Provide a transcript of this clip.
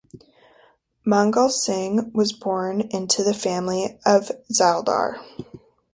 Mangal Singh was born into the family of zaildar.